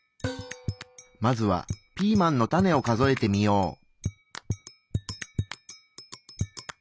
まずはピーマンのタネを数えてみよう。